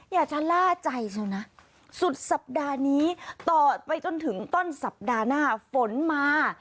อย่าชะล่าใจซะนะสุดสัปดาห์นี้ต่อไปจนถึงต้นสัปดาห์หน้าฝนมา